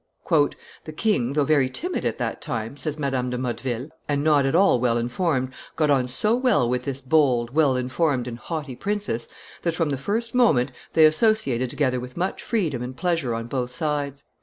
"The king, though very timid at that time," says Madame de Motteville, "and not at all well informed, got on so well with this bold, well informed, and haughty princess, that, from the first moment, they associated together with much freedom and pleasure on both sides.